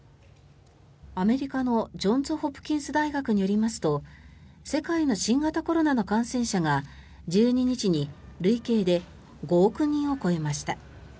アメリカのジョンズ・ホプキンス大学によりますと世界の新型コロナの感染者が１２日に累計で５億人を超えました。